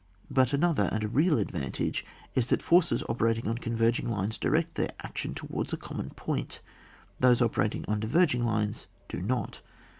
But another and a real advantage is, that forces operating on converging lines direct their action towards & common pointy those operating on diverging lines do not.